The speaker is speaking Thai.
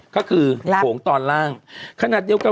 ก็คือโขงตอนล่างขนาดเดียวกัน